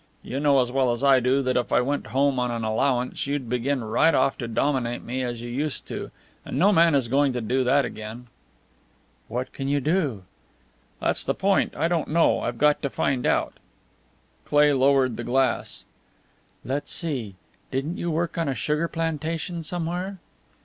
You know as well as I do that if I went home on an allowance you'd begin right off to dominate me as you used to, and no man is going to do that again." "What can you do?" "That's the point I don't know. I've got to find out." Cleigh lowered the glass. "Let's see; didn't you work on a sugar plantation somewhere?"